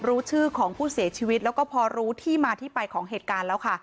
รู้ชื่อของผู้เสียชีวิตแล้วก็พอรู้ที่มาที่ไปของเหตุการณ์แล้วค่ะ